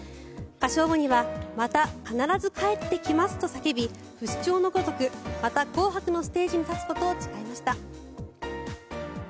歌唱後にはまた必ず帰ってきますと叫び不死鳥のごとくまた「紅白」のステージに立つことを誓いました。